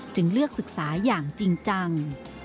จึงเลือกศึกษาอย่างจริงจัง